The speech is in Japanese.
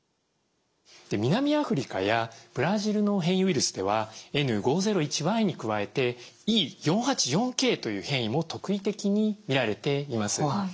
南アフリカやブラジルの変異ウイルスではＮ５０１Ｙに加えてＥ４８４Ｋという変異も特異的に見られています。